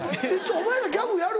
お前らギャグやる？